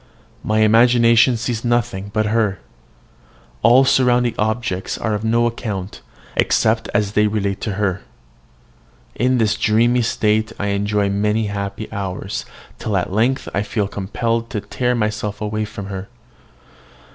My imagination sees nothing but her: all surrounding objects are of no account, except as they relate to her. In this dreamy state I enjoy many happy hours, till at length I feel compelled to tear myself away from her.